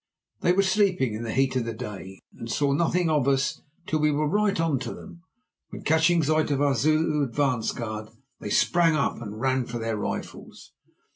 They were sleeping in the heat of the day and saw nothing of us till we were right on to them, when, catching sight of our Zulu advance guard, they sprang up and ran for their rifles.